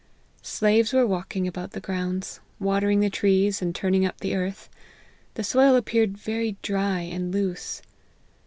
Slaves were walking about the grounds, watering the trees, and turning up the earth : the soil appeared very dry and loose.